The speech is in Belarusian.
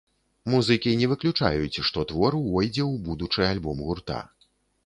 Музыкі не выключаюць, што твор увойдзе ў будучы альбом гурта.